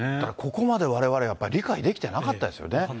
ここまでわれわれ、やっぱり理解できていなかったですよね。